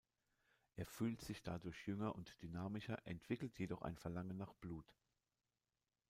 Er fühlt sich dadurch jünger und dynamischer, entwickelt jedoch ein Verlangen nach Blut.